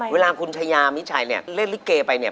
เวลาคุณชายามิชัยเนี่ยเล่นลิเกไปเนี่ย